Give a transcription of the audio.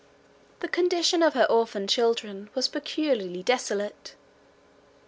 The condition of her orphan children was peculiarly desolate.